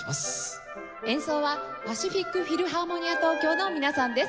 演奏はパシフィックフィルハーモニア東京の皆さんです。